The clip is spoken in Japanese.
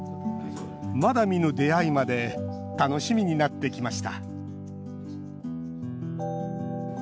まだ見ぬ出会いまで楽しみになってきました